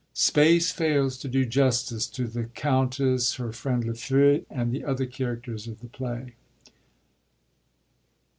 Space fails to do justice to the Countess, her friend, Lafeu, and the other characters of the play.